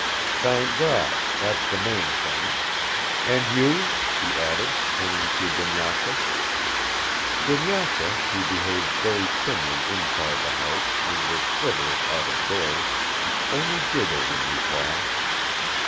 "Thank God, that's the main thing. And you?" he added, turning to Dunyasha. Dunyasha, who behaved very primly inside the house and was frivolous out of doors, only giggled in reply.